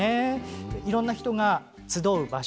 いろんな人が集う場所